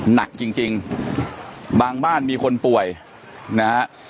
หนักจริงจริงบางบ้านมีคนป่วยนะฮะ